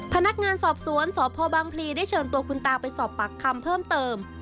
พนักงานสอบสวนสพบังพลีได้เชิญตัวคุณตาไปสอบปากคำเพิ่มเติม